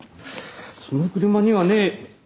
その車にはね